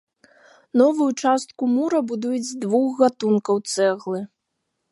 Новую частку мура будуюць з двух гатункаў цэглы.